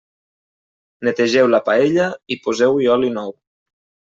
Netegeu la paella i poseu-hi oli nou.